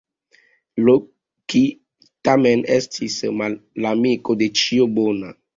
Loki tamen estis malamiko de ĉio bona.